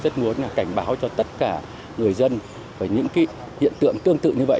rất muốn cảnh báo cho tất cả người dân về những hiện tượng tương tự như vậy